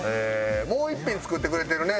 もう一品作ってくれてるね